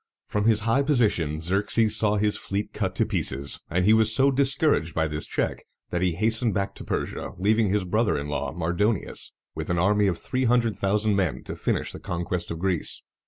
From his high position, Xerxes saw his fleet cut to pieces; and he was so discouraged by this check, that he hastened back to Persia, leaving his brother in law Mar do´ni us with an army of three hundred thousand men to finish the conquest of Greece.